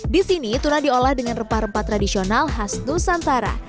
di sini tuna diolah dengan rempah rempah tradisional khas nusantara